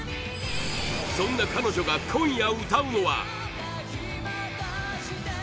そんな彼女が今夜、歌うのはアスナ：